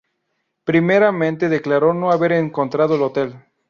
Primeramente declaró no haber encontrado el hotel.